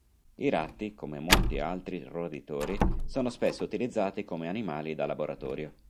I ratti, come molti altri roditori, sono spesso utilizzati come animali da laboratorio.